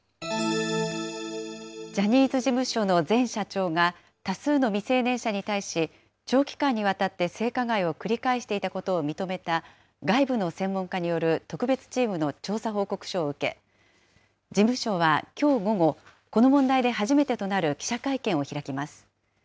ジャニーズ事務所の前社長が多数の未成年者に対し、長期間にわたって性加害を繰り返していたことを認めた外部の専門家による特別チームの調査報告書を受け、事務所はきょう午後、この問題で初めてとなる記者会見を開きます。